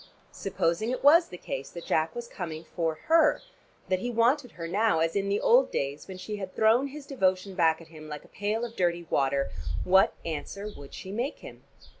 Supposing it was the case that Jack was coming for her, that he wanted her now as in the old days when she had thrown his devotion back at him like a pail of dirty water, what answer would she make him?